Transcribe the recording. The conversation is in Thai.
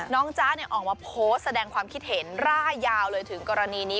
จ๊ะออกมาโพสต์แสดงความคิดเห็นร่ายยาวเลยถึงกรณีนี้